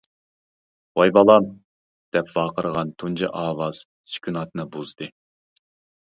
«ۋاي بالام! » دەپ ۋارقىرىغان تۇنجى ئاۋاز سۈكۈناتنى بۇزدى.